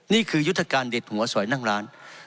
นี่คือยุธกาลเด็ดหัวสอยนั่งร้าน